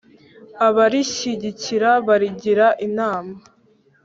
abarishyigikira barigira inama